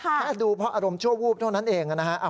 แค่ดูเพราะอารมณ์ชั่ววูบเท่านั้นเองนะฮะ